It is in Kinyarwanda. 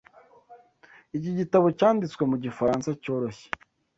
Iki gitabo cyanditswe mu gifaransa cyoroshye.